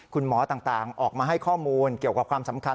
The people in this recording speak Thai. คุณหมอต่างออกมาให้ข้อมูลเกี่ยวกับความสำคัญ